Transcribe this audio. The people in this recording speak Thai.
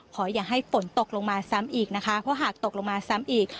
อย่าให้ฝนตกลงมาซ้ำอีกนะคะเพราะหากตกลงมาซ้ำอีก